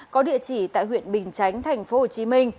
có địa chỉ tại huyện bình chánh tp hcm